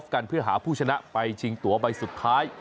กันเพื่อหาผู้ชนะไปชิงตัวใบสุดท้าย